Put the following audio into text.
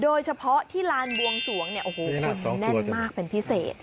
โดยเฉพาะที่ลานบวงสวงเนี่ยโอ้โหคนแน่นมากเป็นพิเศษ